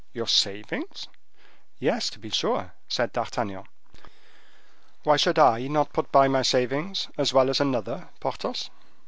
"Your savings?" "Yes, to be sure," said D'Artagnan: "why should I not put by my savings, as well as another, Porthos?"